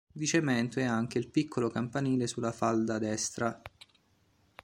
Di cemento è anche il piccolo campanile sulla falda destra.